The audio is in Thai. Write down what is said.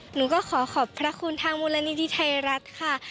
หนูก็ขอขอบพระคุณทางมูลนิธิไทยรัฐค่ะ